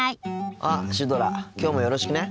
あっシュドラきょうもよろしくね。